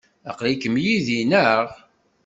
Aql-ikem yid-i, naɣ?